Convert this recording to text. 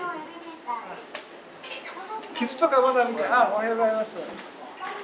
おはようございます。